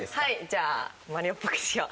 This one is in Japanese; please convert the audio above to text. じゃあマリオっぽくしよう。